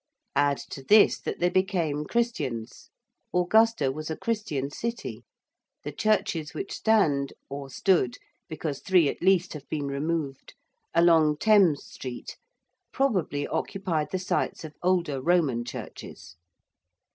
Add to this that they became Christians. Augusta was a Christian city; the churches which stand or stood, because three at least have been removed along Thames Street, probably occupied the sites of older Roman churches.